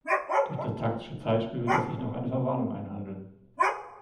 Durch das taktische Zeitspiel wird er sich noch eine Verwarnung einhandeln.